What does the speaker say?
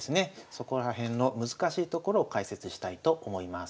そこら辺の難しいところを解説したいと思います。